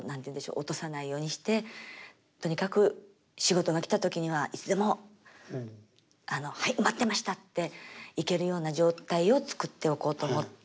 落とさないようにしてとにかく仕事が来た時にはいつでも「はい待ってました」って行けるような状態を作っておこうと思って。